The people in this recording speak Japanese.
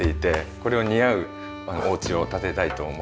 これを似合うお家を建てたいと思ってました。